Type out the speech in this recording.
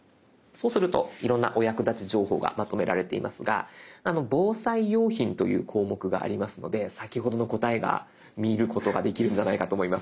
そうするといろんなお役立ち情報がまとめられていますが防災用品という項目がありますので先ほどの答えが見ることができるんじゃないかと思います。